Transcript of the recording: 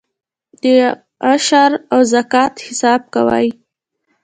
د عشر او زکات حساب کوئ؟